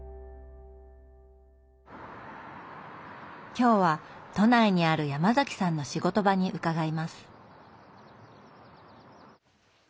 今日は都内にあるヤマザキさんの仕事場に伺います。